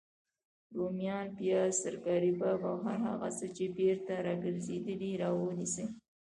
روميان، پیاز، ترکاري باب او هر هغه څه چی بیرته راګرځیدلي راونیسئ